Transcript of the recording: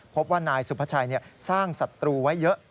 พบว่านายสุภาชัยสร้างศัตรูไว้เยอะ